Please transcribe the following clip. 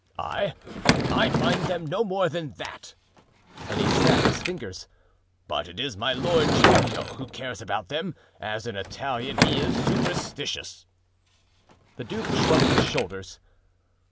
"I— I mind them no more than that——" and he snapped his fingers; "but it is my Lord Giulio who cares about them; as an Italian he is superstitious." The duke shrugged his shoulders.